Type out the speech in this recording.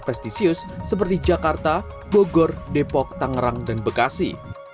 prestisius seperti jakarta bogor depok tangerang dan bekasi